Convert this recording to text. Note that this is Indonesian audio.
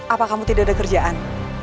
apa kamu tidak ada kerjaan